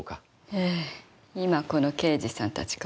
ええ今この刑事さんたちから。